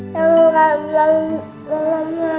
kalau nggak jadi dalamnya